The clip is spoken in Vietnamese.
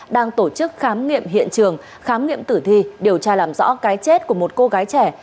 đang tổ chức khám nghiệm hiện trường khám nghiệm tử thi điều tra làm rõ cái chết của một cô gái trẻ